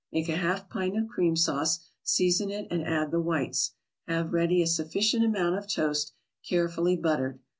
Make a half pint of cream sauce, season it and add the whites. Have ready a sufficient amount of toast, carefully buttered.